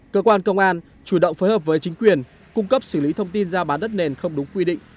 cơ quan công an chủ động phối hợp với chính quyền cung cấp xử lý thông tin ra bán đất nền không đúng quy định